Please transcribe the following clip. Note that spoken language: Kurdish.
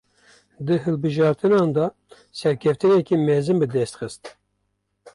Di hilbijartinan de serkeftinek mezin bi dest xist